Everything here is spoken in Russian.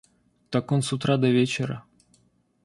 Так он с утра до вечера.